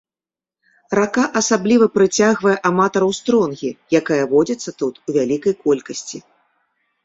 Рака асабліва прыцягвае аматараў стронгі, якая водзіцца тут у вялікай колькасці.